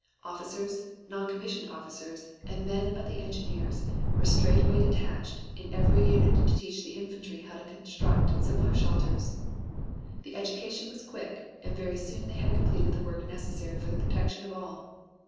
Officers, non commissioned officers, and men of the engineers were straightway detached in every unit to teach the infantry how to construct similar shelters. The education was quick, and very soon they had completed the work necessary for the protection of all.